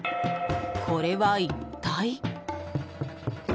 これは一体？